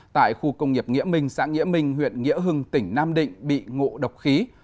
tại khu công nghiệp nghĩa minh xã nghĩa minh huyện nghĩa hưng tỉnh nam định bị ngộ độc khí